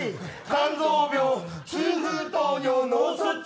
肝臓病、痛風、糖尿、脳卒中。